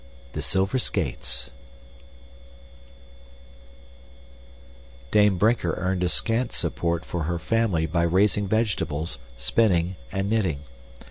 The Silver Skates Dame Brinker earned a scant support for her family by raising vegetables, spinning, and knitting.